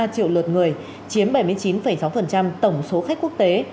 một mươi ba triệu lượt người chiếm bảy mươi chín sáu tổng số khách quốc tế